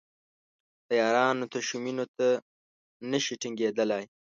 د یارانو تشو مینو ته نشي ټینګېدای.